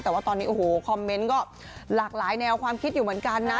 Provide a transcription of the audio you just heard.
แต่ว่าตอนนี้โอ้โหคอมเมนต์ก็หลากหลายแนวความคิดอยู่เหมือนกันนะ